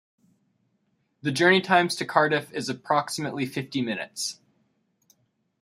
The journey times to Cardiff is approximately fifty minutes.